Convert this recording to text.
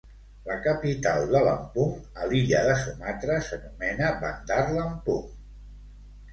La capital de Lampung, a l'illa de Sumatra, s'anomena Bandar Lampung.